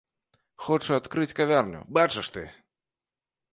Хоча адкрыць кавярню, бачыш ты!